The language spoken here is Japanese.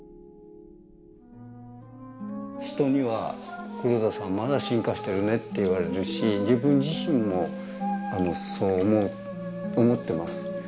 人には「黒田さんまだ進化してるね」って言われるし自分自身もそう思ってます。